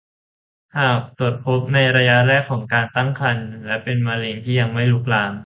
หากตรวจพบในระยะแรกของการตั้งครรภ์ และเป็นมะเร็งที่ยังไม่ลุกลาม